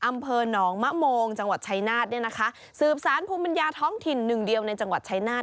อำเภอหนองมะโมงจังหวัดชายนาฏเนี่ยนะคะสืบสารภูมิปัญญาท้องถิ่นหนึ่งเดียวในจังหวัดชายนาฏ